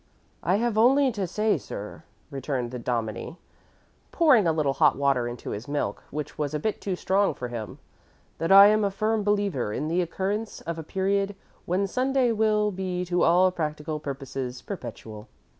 "I have only to say, sir," returned the Dominie, pouring a little hot water into his milk, which was a bit too strong for him, "that I am a firm believer in the occurrence of a period when Sunday will be to all practical purposes perpetual."